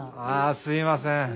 あすいません。